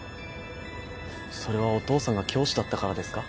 それはお父さんが教師だったからですか？